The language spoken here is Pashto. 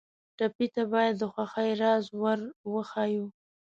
ټپي ته باید د خوښۍ راز ور وښیو.